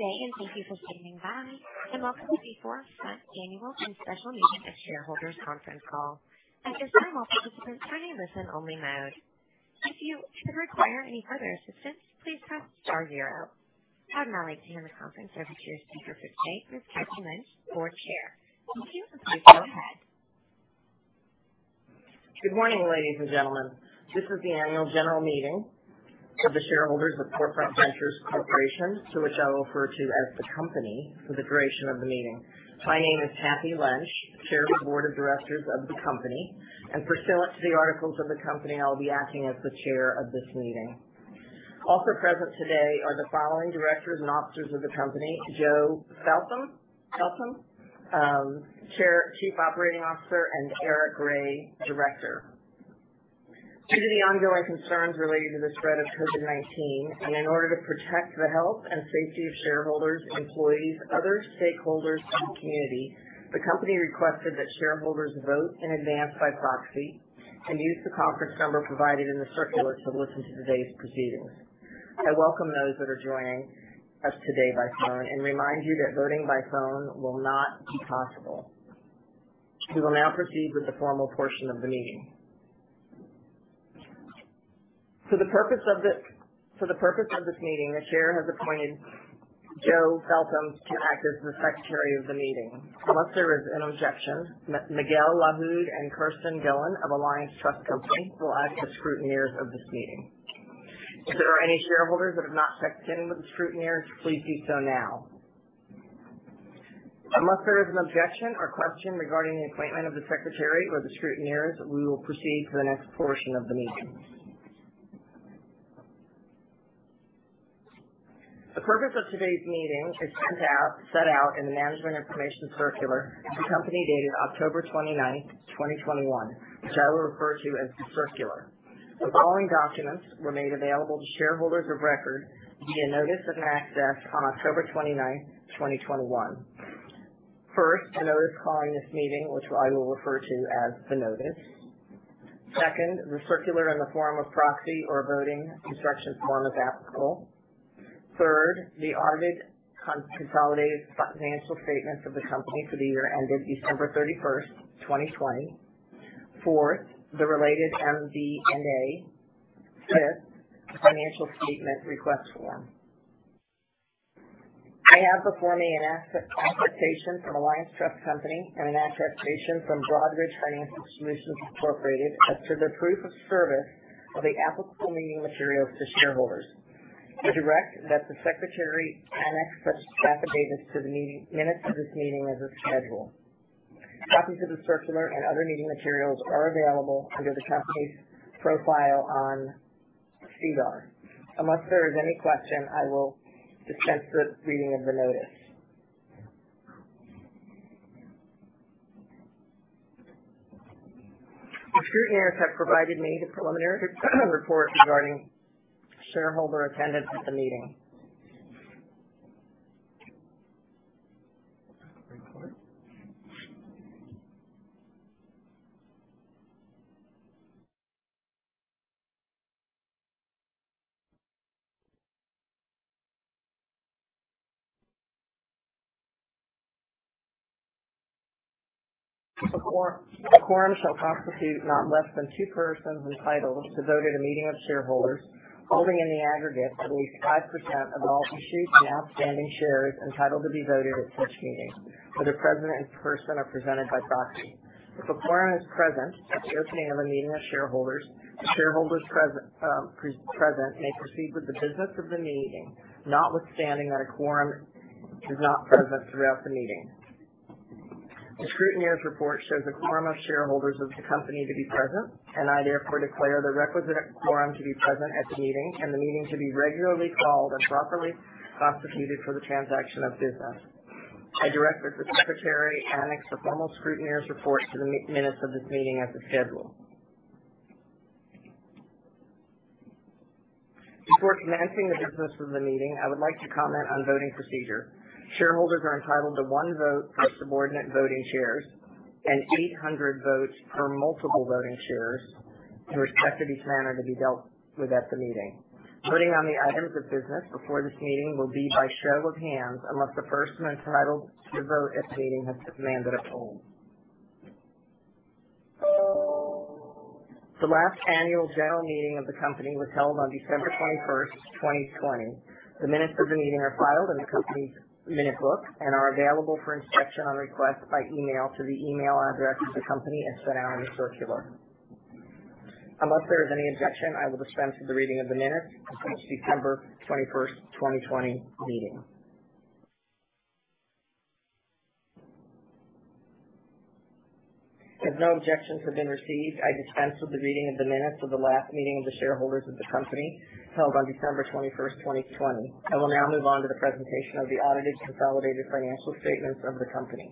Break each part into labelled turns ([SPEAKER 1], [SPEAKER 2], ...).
[SPEAKER 1] Good day, and thank you for standing by, and welcome to the 4Front Annual and Special Meeting of Shareholders conference call. At this time, all participants are in listen-only mode. If you should require any further assistance, please press star zero. I would now like to hand the conference over to your speaker for today, Ms. Kathi Lentzsch, Board Chair. Kathi, you may go ahead.
[SPEAKER 2] Good morning, ladies and gentlemen. This is the annual general meeting of the shareholders of 4Front Ventures Corporation, to which I will refer to as the company for the duration of the meeting. My name is Kathi Lentzsch, Chair of the Board of Directors of the company, and pursuant to the articles of the company, I'll be acting as the chair of this meeting. Also present today are the following directors and officers of the company: Joe Feltham, Chief Operating Officer, and Eric Rey, Director. Due to the ongoing concerns related to the spread of COVID-19, and in order to protect the health and safety of shareholders, employees, other stakeholders, and the community, the company requested that shareholders vote in advance by proxy and use the conference number provided in the circular to listen to today's proceedings. I welcome those that are joining us today by phone and remind you that voting by phone will not be possible. We will now proceed with the formal portion of the meeting. For the purpose of this meeting, the chair has appointed Joe Feltham to act as the secretary of the meeting. Unless there is an objection, Miguel Lahud and Kirsten Gillen of Alliance Trust Company will act as scrutineers of this meeting. If there are any shareholders that have not checked in with the scrutineers, please do so now. Unless there is an objection or question regarding the appointment of the secretary or the scrutineers, we will proceed to the next portion of the meeting. The purpose of today's meeting is set out in the Management Information Circular of the company dated October 29th, 2021, which I will refer to as the circular. The following documents were made available to shareholders of record via notice and access on October 29th, 2021. First, a notice calling this meeting, which I will refer to as the notice. Second, the circular in the form of proxy or voting instruction form, as applicable. Third, the audited consolidated financial statements of the company for the year ended December 31st, 2020. Fourth, the related MD&A. Fifth, the financial statement request form. I have before me an attestation from Alliance Trust Company and an attestation from Broadridge Financial Solutions, Inc. as to their proof of service of the applicable meeting materials to shareholders. I direct that the secretary annex such affidavits to the minutes of this meeting as is scheduled. Copies of the circular and other meeting materials are available under the company's profile on SEDAR. Unless there is any question, I will dispense the reading of the notice. The scrutineers have provided me the preliminary report regarding shareholder attendance at the meeting. A quorum shall constitute not less than two persons entitled to vote at a meeting of shareholders, holding in the aggregate at least 5% of all issued and outstanding shares entitled to be voted at such meeting, whether present in person or presented by proxy. If a quorum is present at the opening of a meeting of shareholders, the shareholders present may proceed with the business of the meeting, notwithstanding that a quorum is not present throughout the meeting. The scrutineers' report shows a quorum of shareholders of the company to be present, and I therefore declare the requisite quorum to be present at the meeting and the meeting to be regularly called and properly constituted for the transaction of business. I direct that the secretary annex the formal scrutineers' report to the minutes of this meeting as is scheduled. Before commencing the business of the meeting, I would like to comment on voting procedure. Shareholders are entitled to one vote per subordinate voting share and 800 votes per multiple voting share to which every matter to be dealt with at the meeting. Voting on the items of business before this meeting will be by show of hands unless the person entitled to vote at the meeting has demanded a poll. The last annual general meeting of the company was held on December 21st, 2020. The minutes of the meeting are filed in the company's minute book and are available for inspection on request by email to the email address of the company as set out in the circular. Unless there is any objection, I will dispense with the reading of the minutes of the December 21st, 2020 meeting. As no objections have been received, I dispense with the reading of the minutes of the last meeting of the shareholders of the company, held on December 21st, 2020. I will now move on to the presentation of the audited consolidated financial statements of the company.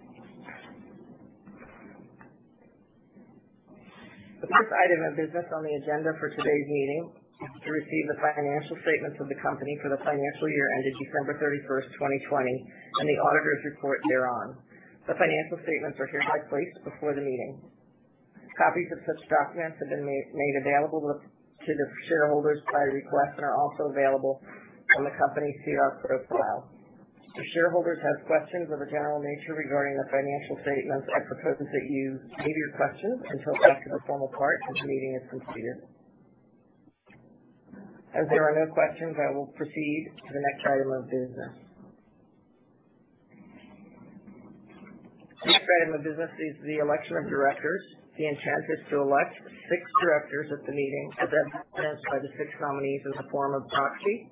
[SPEAKER 2] The first item of business on the agenda for today's meeting is to receive the financial statements of the company for the financial year ended December 31st, 2020 and the auditor's report thereon. The financial statements are here placed before the meeting. Copies of such documents have been made available to the shareholders by request and are also available on the company's SEDAR profile. If shareholders have questions of a general nature regarding the financial statements, I propose that you save your questions until after the formal part of the meeting is completed. As there are no questions, I will proceed to the next item of business. The next item of business is the election of directors. The intent is to elect six directors at the meeting, as evidenced by the six nominees in the form of proxy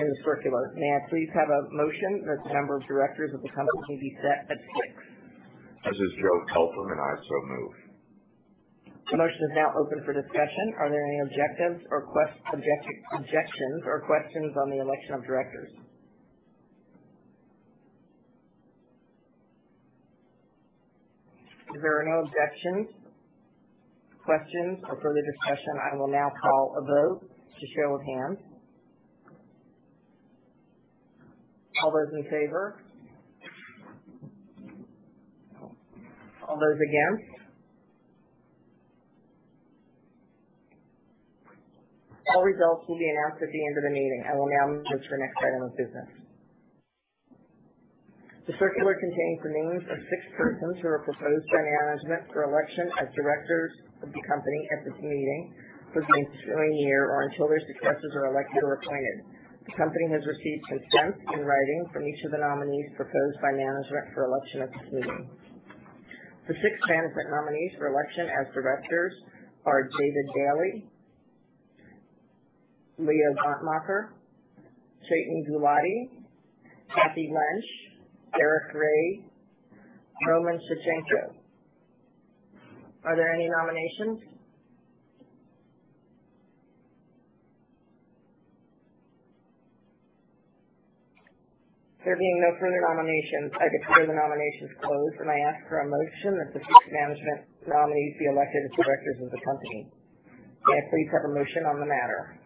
[SPEAKER 2] in the circular. May I please have a motion that the number of directors of the company be set at six.
[SPEAKER 3] This is Joe Feltham, and I so move.
[SPEAKER 2] The motion is now open for discussion. Are there any objections or questions on the election of directors? If there are no objections, questions, or further discussion, I will now call a vote by show of hands. All those in favor? All those against? All results will be announced at the end of the meeting. I will now move to the next item of business. The circular contains the names of six persons who are proposed by management for election as directors of the company at this meeting for the ensuing year or until their successors are elected or appointed. The company has received consent in writing from each of the nominees proposed by management for election at this meeting. The six management nominees for election as directors are David Daily, Leo Gontmakher, Chetan Gulati, Kathi Lentzsch, Eric Rey, Roman Tkachenko. Are there any nominations? There being no further nominations, I declare the nominations closed, and I ask for a motion that the six management nominees be elected as directors of the company. May I please have a motion on the matter?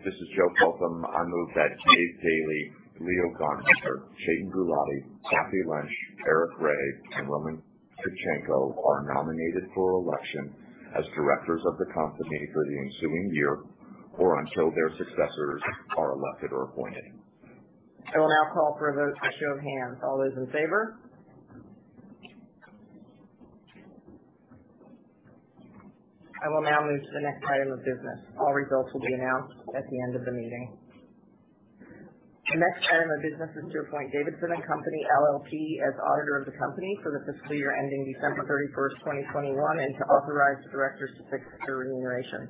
[SPEAKER 3] This is Joe Feltham. I move that David Daily, Leo Gontmakher, Chetan Gulati, Kathi Lentzsch, Eric Rey, and Roman Tkachenko are nominated for election as directors of the company for the ensuing year or until their successors are elected or appointed.
[SPEAKER 2] I will now call for a vote by show of hands. All those in favor? I will now move to the next item of business. All results will be announced at the end of the meeting. The next item of business is to appoint Davidson & Company LLP as auditor of the company for the fiscal year ending December 31st, 2021, and to authorize the directors to fix their remuneration.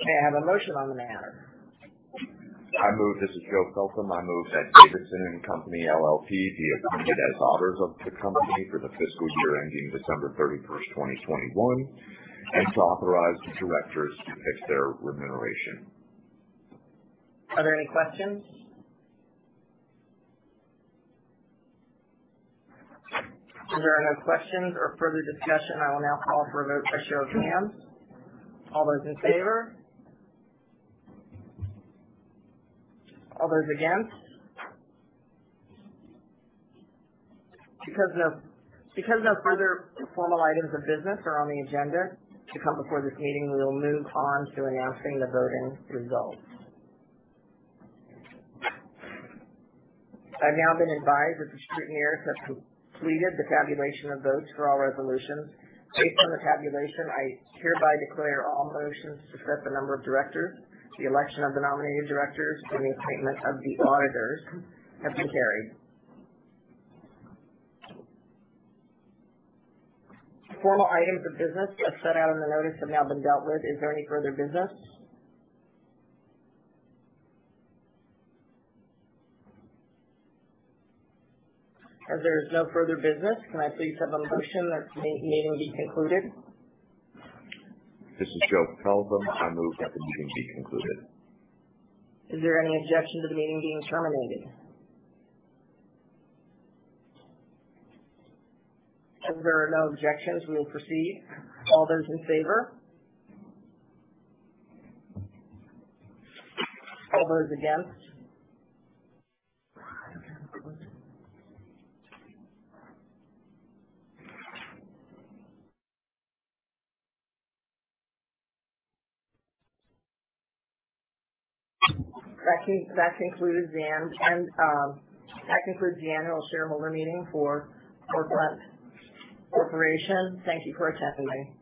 [SPEAKER 2] May I have a motion on the matter.
[SPEAKER 3] This is Joe Feltham. I move that Davidson & Company LLP be appointed as auditors of the company for the fiscal year ending December 31st, 2021, and to authorize the directors to fix their remuneration.
[SPEAKER 2] Are there any questions? If there are no questions or further discussion, I will now call for a vote by show of hands. All those in favor? All those against? Because no further formal items of business are on the agenda to come before this meeting, we will move on to announcing the voting results. I've now been advised that the scrutineers have completed the tabulation of votes for all resolutions. Based on the tabulation, I hereby declare all motions to set the number of directors, the election of the nominated directors, and the appointment of the auditors have been carried. The formal items of business as set out in the notice have now been dealt with. Is there any further business? As there is no further business, can I please have a motion that the meeting be concluded?
[SPEAKER 3] This is Joe Feltham. I move that the meeting be concluded.
[SPEAKER 2] Is there any objection to the meeting being terminated? As there are no objections, we will proceed. All those in favor? All those against? That concludes the annual shareholder meeting for 4Front Ventures Corp. Thank you for attending.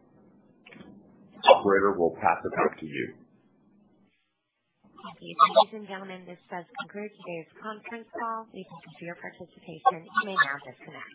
[SPEAKER 3] Operator, we'll pass it back to you.
[SPEAKER 1] Thank you. Ladies and gentlemen, this does conclude today's conference call. You can discontinue your participation. You may now disconnect.